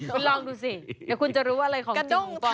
คุณลองดูสิคุณจะรู้อะไรของจริงบ้าง